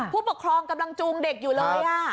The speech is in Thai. ผู้ปกครองกำลังจูงเด็กอยู่เลย